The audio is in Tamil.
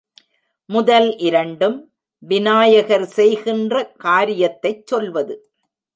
முதல் இரண்டும் விநாயகர் செய்கின்ற காரியத்தைச் சொல்வது.